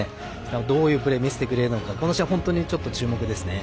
どういうプレーを見せてくれるのかこの試合、本当に注目ですね。